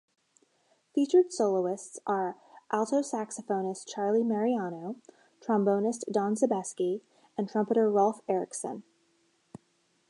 Featured soloists are alto saxophonist Charlie Mariano, trombonist Don Sebesky, and trumpeter Rolf Ericson.